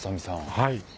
はい。